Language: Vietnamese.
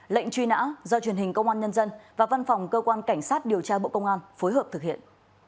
lệnh truy nã do truyền hình công an nhân dân và văn phòng cơ quan cảnh sát điều tra bộ công an phối hợp thực hiện